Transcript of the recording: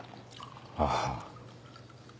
ああ。